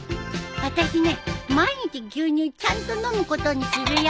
私ね毎日牛乳ちゃんと飲むことにするよ。